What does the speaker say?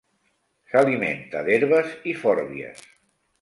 S'alimenta d'herbes i fòrbies.